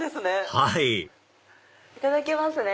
はいいただきますね。